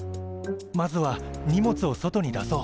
まずは荷物を外に出そう。